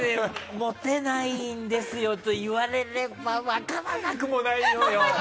モテないんですよと言われれば分からなくもないのよ。